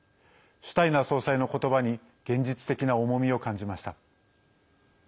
シュタイナー総裁のことばに現実的な重みを感じました。